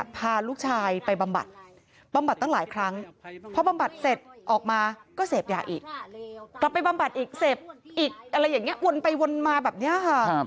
กลับไปบ้านบาดอีกเสพอีกอะไรอย่างนี้วนไปวนมาแบบนี้ค่ะ